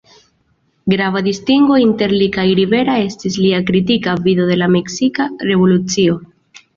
Grava distingo inter li kaj Rivera estis lia kritika vido de la meksika revolucio.